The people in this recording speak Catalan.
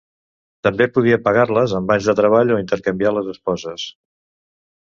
També podia pagar-les amb anys de treball o intercanviar les esposes.